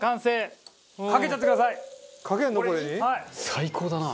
最高だな。